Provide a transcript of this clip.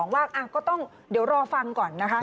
ว่าก็ต้องเดี๋ยวรอฟังก่อนนะคะ